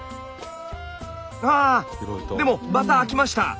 でもまた開きました。